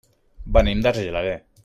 Venim d'Argelaguer.